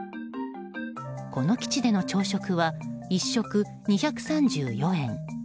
この基地での朝食は１食２３４円。